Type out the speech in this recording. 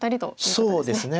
そうですね。